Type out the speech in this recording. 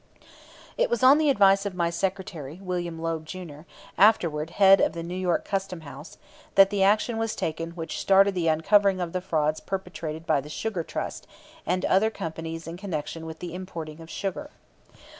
It was on the advice of my secretary, William Loeb, Jr., afterward head of the New York Custom House, that the action was taken which started the uncovering of the frauds perpetrated by the Sugar Trust and other companies in connection with the importing of sugar.